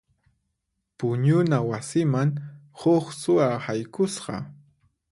Puñuna wasiman huk suwa haykusqa.